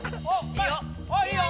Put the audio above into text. いいよ。